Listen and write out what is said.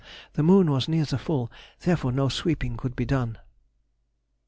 The moon was near the full, therefore no sweeping could be done.